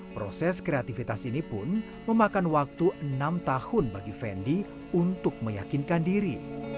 proses kreativitas ini pun memakan waktu enam tahun bagi fendi untuk meyakinkan diri